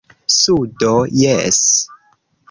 Sudo, jes.